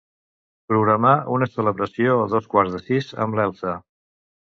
Programar una celebració a dos quarts de sis amb l'Elsa.